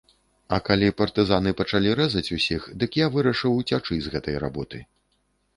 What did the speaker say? А калі партызаны пачалі рэзаць усіх, дык я вырашыў уцячы з гэтай работы.